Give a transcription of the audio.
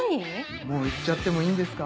もう言っちゃってもいいんですか？